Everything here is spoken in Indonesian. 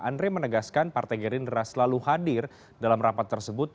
andre menegaskan partai gerindra selalu hadir dalam rapat tersebut